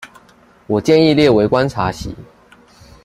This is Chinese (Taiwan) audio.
我建議列為觀察席